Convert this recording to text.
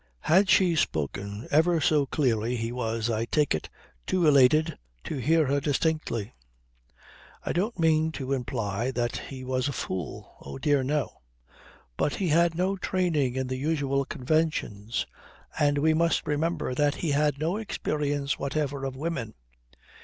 Had she spoken ever so clearly he was, I take it, too elated to hear her distinctly. I don't mean to imply that he was a fool. Oh dear no! But he had no training in the usual conventions, and we must remember that he had no experience whatever of women.